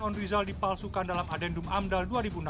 onrizal dipalsukan dalam adendum amdal dua ribu enam belas